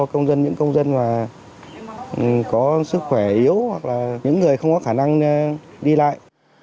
để làm căn cấp cho những công dân có sức khỏe yếu hoặc là những người không có khả năng đi lại